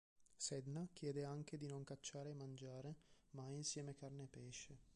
Sedna chiede anche di non cacciare e mangiare mai insieme carne e pesce.